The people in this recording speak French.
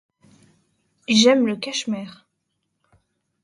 J'aime le cashmere.